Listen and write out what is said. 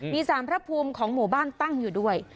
มีสารพระภูมิของหมู่บ้านตั้งอยู่ด้วย